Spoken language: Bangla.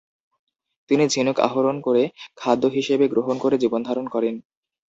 তিনি ঝিনুক আহরণ করে খাদ্য হিসেবে গ্রহণ করে জীবনধারন করেন।